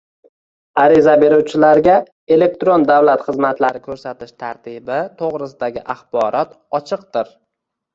Ariza beruvchilarga elektron davlat xizmatlari ko‘rsatish tartibi to‘g‘risidagi axborot ochiqdir